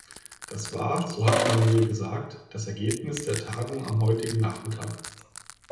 Das war, so hatte man mir gesagt, das Ergebnis der Tagung am heutigen Nachmittag.